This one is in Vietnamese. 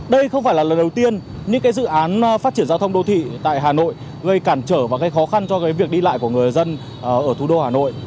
đây không phải là lần đầu tiên những dự án phát triển giao thông đô thị tại hà nội gây cản trở và gây khó khăn cho việc đi lại của người dân ở thủ đô hà nội